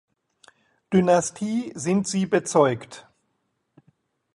Dynastie sind sie bezeugt.